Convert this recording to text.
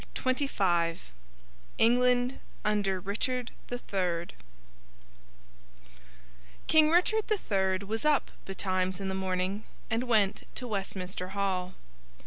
CHAPTER XXV ENGLAND UNDER RICHARD THE THIRD King Richard the Third was up betimes in the morning, and went to Westminster Hall.